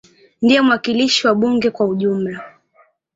Ndiye mwakilishi wa bunge kwa ujumla.